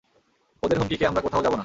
ওদের হুমকিকে আমরা কোথাও যাবো না।